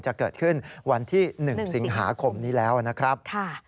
จะเกิดขึ้นวันที่๑สิงหาคมนี้แล้วนะครับ